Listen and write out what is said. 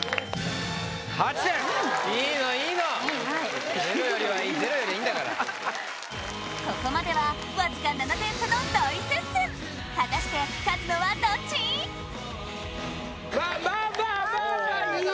８点いいのいいのゼロよりはいいゼロよりはいいんだからここまではわずか７点差の大接戦果たしてまあまあまあまあまあいい